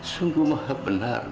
sungguh maha benar